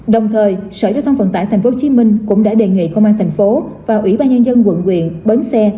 đồng thời sở y tế thông phận tải tp hcm cũng đã đề nghị công an thành phố và ủy ban nhân dân quận quyền bến xe